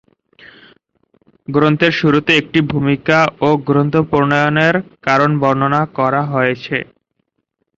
গ্রন্থের শুরুতে একটি ভূমিকা ও গ্রন্থ প্রণয়নের কারণ বর্ণনা করা হয়েছে।